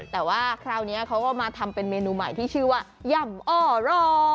แต่ว่าคราวนี้เขาก็มาทำเป็นเมนูใหม่ที่ชื่อว่าย่ำอ้อรอ